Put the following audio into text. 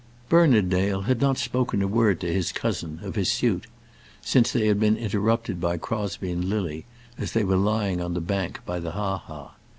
Bernard Dale had not spoken a word to his cousin of his suit, since they had been interrupted by Crosbie and Lily as they were lying on the bank by the ha ha.